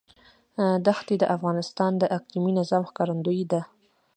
ښتې د افغانستان د اقلیمي نظام ښکارندوی ده.